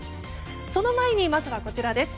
その前に、まずはこちらです。